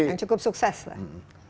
yang cukup sukses lah